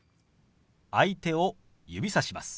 相手を指さします。